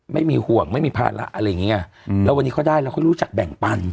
ไม่มีห่วงไม่มีภาระอะไรอย่างนี้ไงแล้ววันนี้เขาได้แล้วเขารู้จักแบ่งปัน